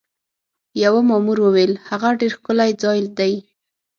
یوه مامور وویل: هغه ډېر ښکلی ځای دی.